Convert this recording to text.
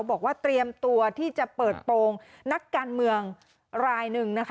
บอกว่าเตรียมตัวที่จะเปิดโปรงนักการเมืองรายหนึ่ง